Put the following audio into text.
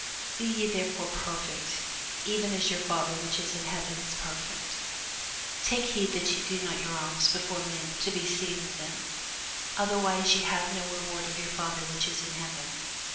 Be ye therefore perfect, even as your Father which is in heaven is perfect. Take heed that ye do not your alms before men, to be seen of them: otherwise ye have no reward of your Father which is in heaven.